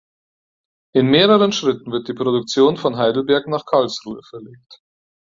In mehreren Schritten wird die Produktion von Heidelberg nach Karlsruhe verlegt.